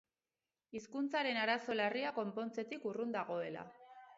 Hizkuntzaren arazo larria konpontzetik urrun dagoela.